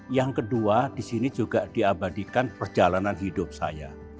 yang kedua di sini juga diabadikan perjalanan hidup saya